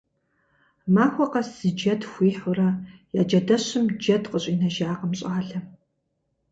Махуэ къэс зы джэд хуихьурэ, я джэдэщым джэд къыщӏинэжакъым щӏалэм.